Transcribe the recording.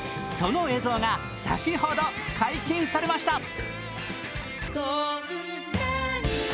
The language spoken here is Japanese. その映像が先ほど解禁されました。